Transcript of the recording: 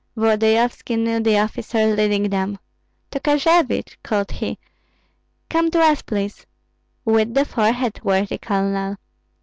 Volodyovski knew the officer leading them. "Tokarzevich!" called he, "come to us, please." "With the forehead, worthy Colonel."